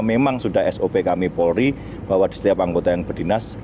memang sudah sop kami polri bahwa di setiap anggota yang berdinas